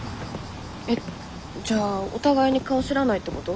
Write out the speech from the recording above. えっじゃあお互いに顔知らないってこと？